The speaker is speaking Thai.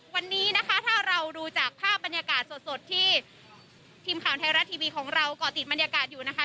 วันนี้นะคะถ้าเราดูจากภาพบรรยากาศสดที่ทีมข่าวไทยรัฐทีวีของเราก่อติดบรรยากาศอยู่นะคะ